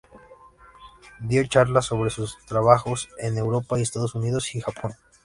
Dio charlas sobre sus trabajos en Europa y Estados Unidos y Japón.